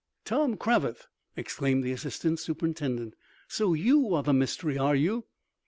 "Tom Cravath!" exclaimed the assistant superintendent. "So, you are the mystery, are you?"